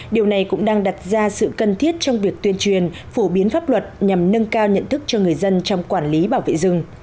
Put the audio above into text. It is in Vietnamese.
điều này cũng đang đặt ra sự cần thiết trong việc tuyên truyền phổ biến pháp luật nhằm nâng cao nhận thức cho người dân trong quản lý bảo vệ rừng